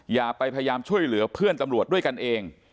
อย่าไปพยายามช่วยเหลือเพื่อนตำรวจด้วยกันเอง